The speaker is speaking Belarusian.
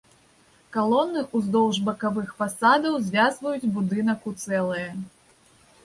Калоны ўздоўж бакавых фасадаў звязваюць будынак у цэлае.